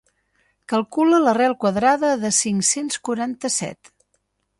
Calcula l'arrel quadrada de cinc-cents quaranta-set.